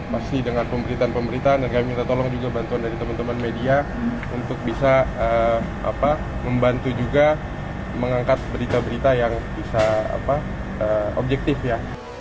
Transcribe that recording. pasti dengan pemberitaan pemberitaan dan kami minta tolong juga bantuan dari teman teman media untuk bisa membantu juga mengangkat berita berita yang bisa objektif ya